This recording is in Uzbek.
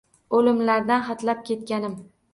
O’limlardan hatlab ketganim…